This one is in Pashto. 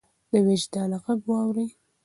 د وجدان غږ واورئ.